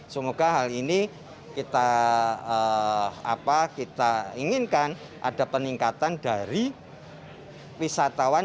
semoga hal ini kita inginkan ada peningkatan dari wisatawan